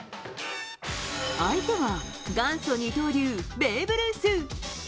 相手は、元祖二刀流、ベーブ・ルース。